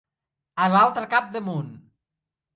A l'altre cap de món.